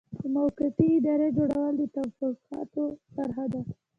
د موقتې ادارې جوړول د توافقاتو برخه وه.